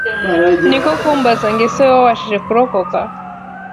niko kumbaza ngo ese wowe wabashije kurokoka